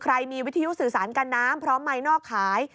มีวิทยุสื่อสารกันน้ำพร้อมไมค์นอกขาย